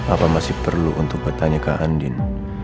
apa masih perlu untuk bertanya ke andin